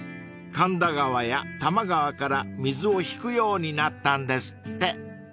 ［神田川や多摩川から水を引くようになったんですって］